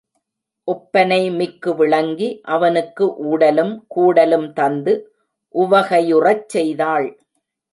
ஒப்பனைமிக்கு விளங்கி அவனுக்கு ஊடலும், கூடலும் தந்து உவகையுறச் செய்தாள்.